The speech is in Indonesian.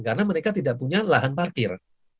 karena mereka tidak punya lahan parkir